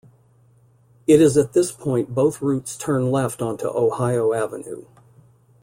It is at this point both routes turn left onto Ohio Avenue.